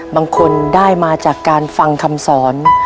บางคนได้มาจากการฟังคำสอน